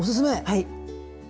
はい。